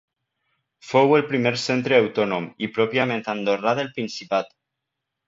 Fou el primer centre autònom i pròpiament andorrà del principat.